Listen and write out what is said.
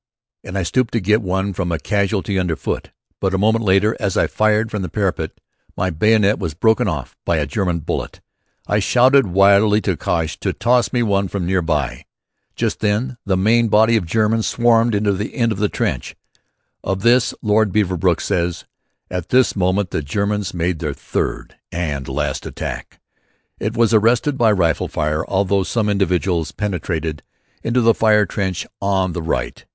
And I stooped to get one from a casualty underfoot. But a moment later, as I fired from the parapet, my bayonet was broken off by a German bullet. I shouted wildly to Cosh to toss me one from near by. Just then the main body of the Germans swarmed into the end of the trench. Of this Lord Beaverbrook says: "At this moment the Germans made their third and last attack. It was arrested by rifle fire, although some individuals penetrated into the fire trench on the right.